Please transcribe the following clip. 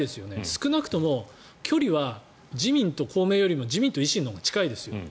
少なくとも距離は自民と公明よりも自民と維新のほうが近いですよ。